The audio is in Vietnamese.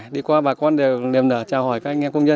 đi qua bà con đều liềm nở chào hỏi các anh em công nhân